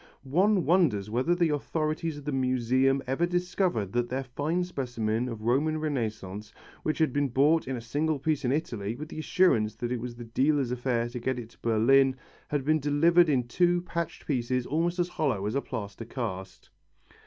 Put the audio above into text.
One wonders whether the authorities of the Museum ever discovered that their fine specimen of Roman Renaissance, which had been bought in a single piece in Italy, with the assurance that it was the dealer's affair to get it to Berlin, had been delivered in two patched pieces almost as hollow as a plaster cast.